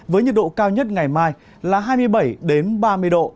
với nhiệt độ cao nhất ngày mai là hai mươi bảy ba mươi độ